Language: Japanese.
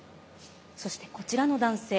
そして、こちらの男性。